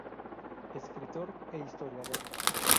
Escritor e historiador.